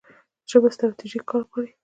ژبه ستراتیژیک کار غواړي.